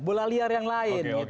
bola liar yang lain